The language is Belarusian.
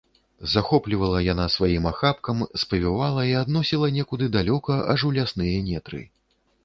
Захоплівала яна сваім ахапкам, спавівала і адносіла некуды далёка, аж у лясныя нетры.